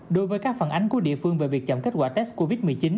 đối với các phản ánh của địa phương về việc chậm kết quả test covid một mươi chín